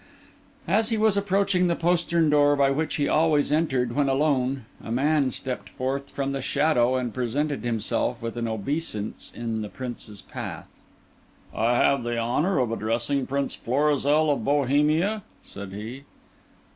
As he was approaching the postern door by which he always entered when alone, a man stepped forth from the shadow and presented himself with an obeisance in the Prince's path. "I have the honour of addressing Prince Florizel of Bohemia?" said he.